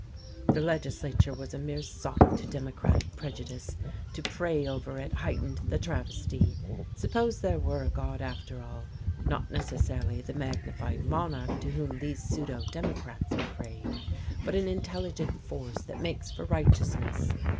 The legislature was a mere sop to democratic prejudice, to pray over it heightened the travesty. Suppose there were a God after all? not necessarily the magnified monarch to whom these pseudo democrats prayed, but an Intelligent Force that makes for righteousness.